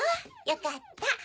よかった。